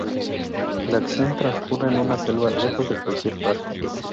La acción transcurre en una selva, lejos de cualquier parte.